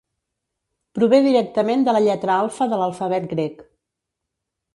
Prové directament de la lletra alfa de l'alfabet grec.